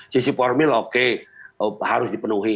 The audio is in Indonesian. sisi formil oke harus dipenuhi